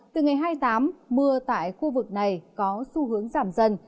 từ ngày hai mươi tám mưa tại khu vực này có xu hướng giảm dần